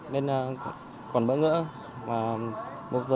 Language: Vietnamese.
nên còn bỡ ngỡ